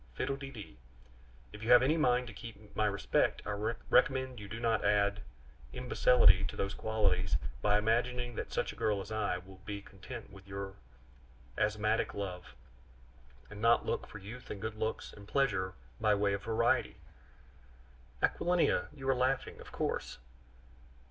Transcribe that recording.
Fiddle de dee. If you have any mind to keep my respect, I recommend you not to add imbecility to these qualities by imagining that such a girl as I am will be content with your asthmatic love, and not look for youth and good looks and pleasure by way of variety " "Aquilina! you are laughing, of course?"